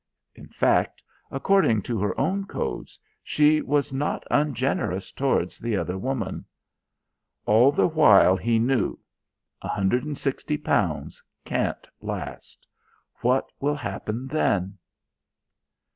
In fact, according to her own codes, she was not ungenerous towards the other woman. All the while he knew: £160 can't last. What will happen when...?